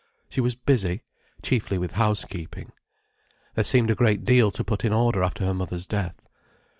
She was busy—chiefly with housekeeping. There seemed a great deal to put in order after her mother's death.